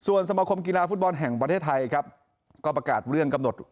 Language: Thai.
ส่วนสมคมกีฬาฟุตบอลแห่งประเทศไทยครับก็ประกาศเรื่องกำหนด